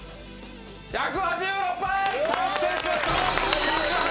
１８６杯達成しました。